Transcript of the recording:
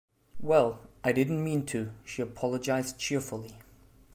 "Well, I didn't mean to," she apologized cheerfully.